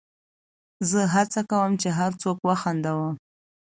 زه هڅه کوم، چي هر څوک وخندوم.